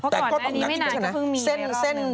เพราะก่อนนั้นนี้ไม่นานก็เพิ่งมีไว้รอบนึง